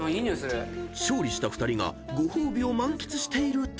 ［勝利した２人がご褒美を満喫していると］